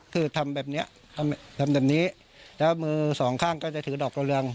คือทำแบบนี้ทำแบบนี้แล้วมือสองข้างก็จะถือดอกกระเรือง